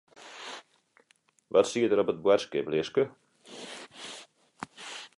Wat stiet der op it boadskiplistke?